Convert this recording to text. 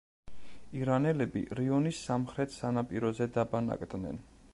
ირანელები რიონის სამხრეთ სანაპიროზე დაბანაკდნენ.